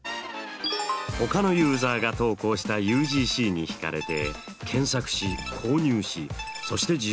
ほかのユーザーが投稿したＵＧＣに引かれて検索し購入しそして自分もＵＧＣを投稿して